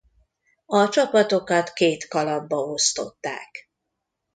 A csapatokat két kalapba osztották.